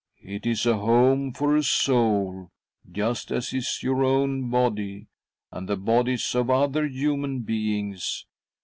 It is a home for a soul — just as is your own body, and the bodies of other human beings.